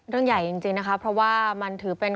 เรื่องใหญ่จริงนะคะเพราะว่ามันถือเป็น